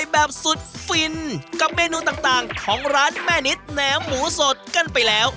แบบสุดฟินกับเมนูต่างของร้านแม่นิดแหนมหมูสดกันไปแล้ว